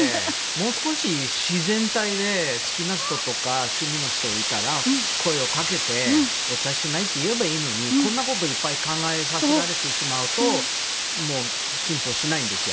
もう少し自然体で好きな人とか趣味の人がいたら声をかけてお茶しない？って言えばいいのにこんなこといっぱい考えさせられてしまうと進歩しないんですよ。